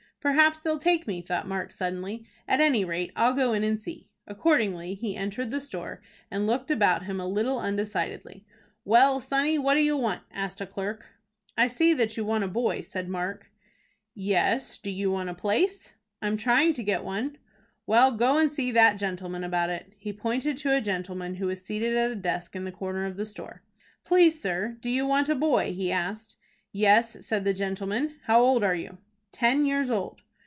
"Perhaps they'll take me," thought Mark, suddenly. "At any rate I'll go in and see." Accordingly he entered the store, and looked about him a little undecidedly. "Well, sonny, what do you want?" asked a clerk. "I see that you want a boy," said Mark. "Yes. Do you want a place?" "I am trying to get one." "Well, go and see that gentleman about it." He pointed to a gentleman who was seated at a desk in the corner of the store. "Please, sir, do you want a boy?" he asked. "Yes," said the gentleman. "How old are you?" "Ten years old."